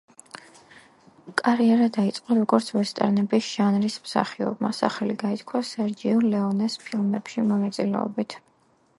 კარიერა დაიწყო როგორც ვესტერნების ჟანრის მსახიობმა, სახელი გაითქვა სერჯიო ლეონეს ფილმებში მონაწილეობით.